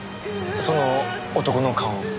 その男の顔を。